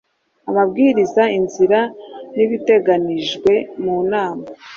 amabwiriza, inzira nibiteganijwemunama